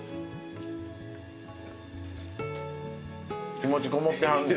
気持ちこもってはんねん。